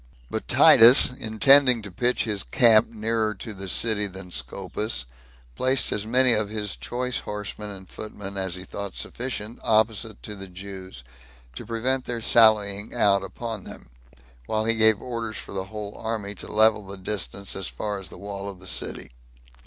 2. But Titus, intending to pitch his camp nearer to the city than Scopus, placed as many of his choice horsemen and footmen as he thought sufficient opposite to the Jews, to prevent their sallying out upon them, while he gave orders for the whole army to level the distance, as far as the wall of the city.